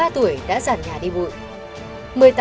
một mươi ba tuổi đã giản nhà đi bụi